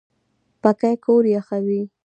پکۍ کور یخوي